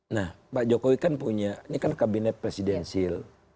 nah pak jokowi kan punya ini kan kabinet presidensil